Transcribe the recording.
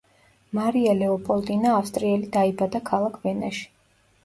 მარია ლეოპოლდინა ავსტრიელი დაიბადა ქალაქ ვენაში.